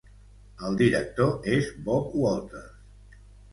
El director és Bob Walters.